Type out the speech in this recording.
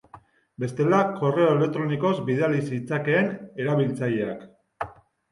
Bestela, korreo elektronikoz bidali zitzakeen erabiltzaileak.